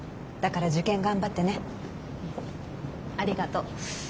だから受験頑張ってね。ありがと。